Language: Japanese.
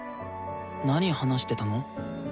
なに話してたの？